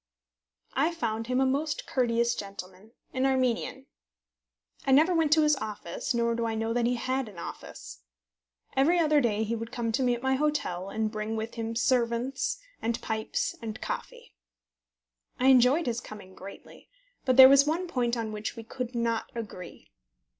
I found him a most courteous gentleman, an Armenian. I never went to his office, nor do I know that he had an office. Every other day he would come to me at my hotel, and bring with him servants, and pipes, and coffee. I enjoyed his coming greatly; but there was one point on which we could not agree.